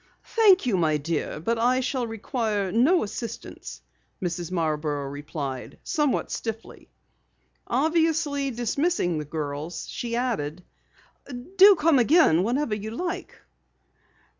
"Thank you, my dear, but I shall require no assistance," Mrs. Marborough replied somewhat stiffly. Obviously dismissing the girls, she added: "Do come again whenever you like."